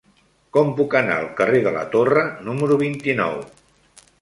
Com puc anar al carrer de la Torre número vint-i-nou?